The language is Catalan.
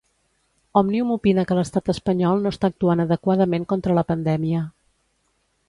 Òmnium opina que l'Estat espanyol no està actuant adequadament contra la pandèmia.